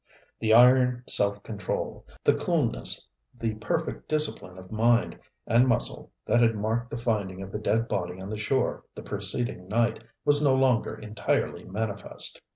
The iron self control, the coolness, the perfect discipline of mind and muscle that had marked the finding of the dead body on the shore the preceding night was no longer entirely manifest.